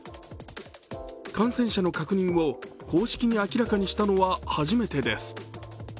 感染者の確認を公式に明らかにしたのは初めてです。